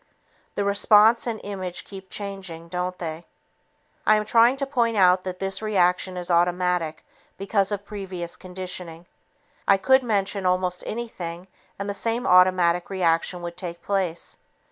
The response and image keep changing, don't they? I am trying to point out that this reaction is automatic because of previous conditioning. I could mention almost anything and the same automatic reaction would take place.